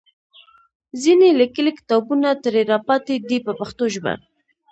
ځینې لیکلي کتابونه ترې راپاتې دي په پښتو ژبه.